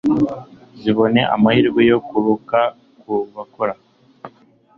zibone amahirwe yo kuruhuka Ku bakora